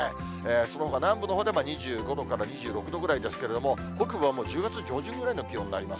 そのほか南部のほうで２５度から２６度ぐらいですけれども、北部はもう、１０月上旬ぐらいの気温になります。